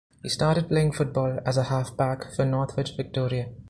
He started playing football as a half back for Northwich Victoria.